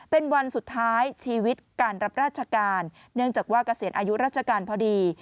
เป็นวันสุดท้ายชีวิตการรับราชการเนื่องจากว่าเกษียณอายุราชการพอดี